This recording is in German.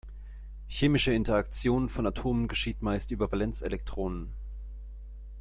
Chemische Interaktion von Atomen geschieht meist über die Valenzelektronen.